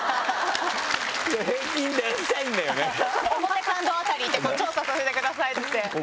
表参道辺り行って「調査させてください」って。